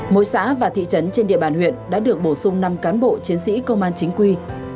mỗi xã và thị trấn trên địa bàn huyện đã được bổ sung năm cán bộ chiến sĩ công an chính quy